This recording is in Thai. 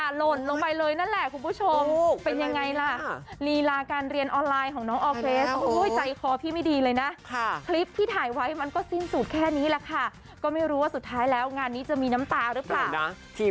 ค่ะลงไปเลยนั่นแหละคุณผู้ชมปิงยังไงละเลยลาการเรียนออนไลน์ของน้องเอาควีรสเข้าเฟหนของไม่ที่ไม่ดีเลยนะค่ะคลิปที่ถ่ายไว้มันก็ซินสุดแค่นี้แหละค่ะก็ไม่รู้ว่าสุดท้ายแล้วงานนี้จะมีน้ำตาลึงมานะพริก